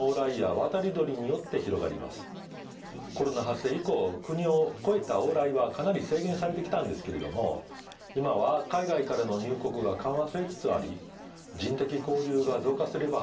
コロナ発生以降国を越えた往来はかなり制限されてきたんですけれども今は海外からの入国が緩和されつつあり人的交流が増加すれば